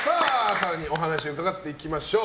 更にお話伺っていきましょう。